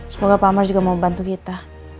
semoga pak amar juga mau bantu kita